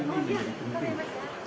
karena itu lebih penting